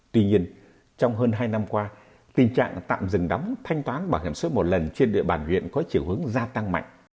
tuy nhiên trong hơn hai năm qua tình trạng tạm dừng đóng thanh toán bảo hiểm xã hội một lần trên địa bàn huyện có chiều hướng gia tăng mạnh